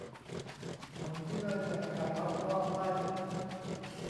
ผลที่ได้จากการวัดรอบใต้อก